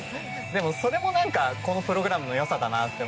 でも、それもプログラムの良さだなって。